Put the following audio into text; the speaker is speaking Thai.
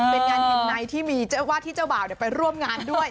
เป็นงานเห็นในที่มีว่าที่เจ้าบ่าวไปร่วมงานด้วย